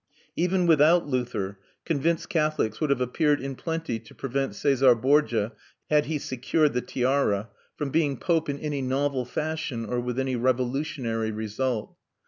Even without Luther, convinced Catholics would have appeared in plenty to prevent Cæsar Borgia, had he secured the tiara, from being pope in any novel fashion or with any revolutionary result.